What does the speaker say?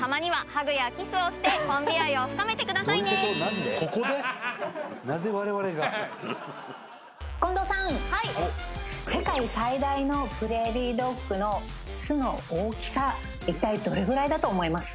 何でなぜ我々が近藤さんはい世界最大のプレーリードッグの巣の大きさ一体どれぐらいだと思います？